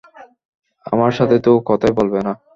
আমার সাথে তো কথাই বলবে না।